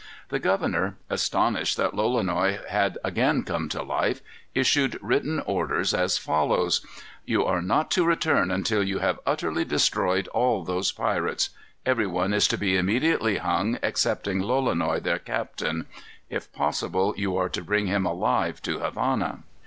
The governor, astonished that Lolonois had again come to life, issued written orders, as follows: "You are not to return until you have utterly destroyed all those pirates. Every one is to be immediately hung, excepting Lolonois, their captain. If possible, you are to bring him alive to Havana."